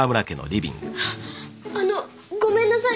あっあのごめんなさい